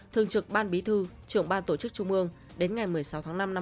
thường trực ban bí thư trưởng ban tổ chức trung ương đến ngày một mươi sáu tháng năm năm